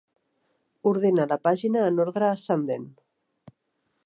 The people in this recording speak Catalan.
Ordena la pàgina en ordre ascendent.